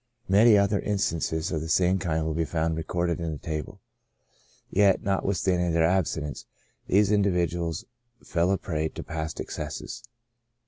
Many other instances of the same kind will be found recorded in the table. Yet, notwithstanding their abstinence, these individ uals fell a prey to past excesses.